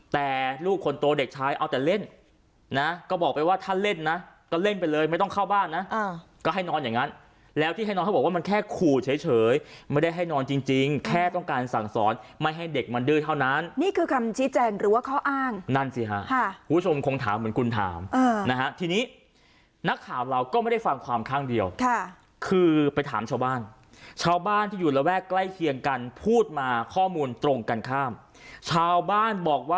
แต่ลูกคนโตเด็กชายเอาแต่เล่นนะก็บอกไปว่าถ้าเล่นนะก็เล่นไปเลยไม่ต้องเข้าบ้านนะเออก็ให้นอนอย่างงั้นแล้วที่ให้นอนเขาบอกว่ามันแค่ขู่เฉยเฉยไม่ได้ให้นอนจริงจริงแค่ต้องการสั่งสอนไม่ให้เด็กมันดื้อเท่านั้นนี่คือคำชี้แจ่งหรือว่าเขาอ้างนั่นสิฮะฮะผู้ชมคงถามเหมือนคุณถามเออนะฮะทีนี้นักข่าวเราก